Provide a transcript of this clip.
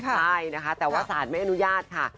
ใช่นะคะแต่ว่าสารไม่อนุญาตค่ะ